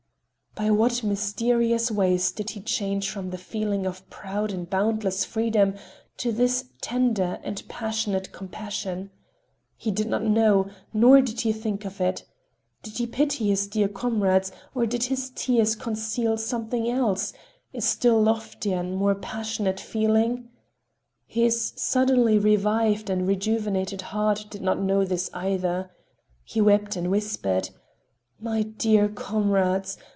By what mysterious ways did he change from the feeling of proud and boundless freedom to this tender and passionate compassion? He did not know, nor did he think of it. Did he pity his dear comrades, or did his tears conceal something else, a still loftier and more passionate feeling?—His suddenly revived and rejuvenated heart did not know this either. He wept and whispered: "My dear comrades!